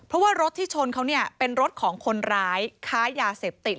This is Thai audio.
เพราะว่ารถที่ชนเขาเนี่ยเป็นรถของคนร้ายค้ายาเสพติด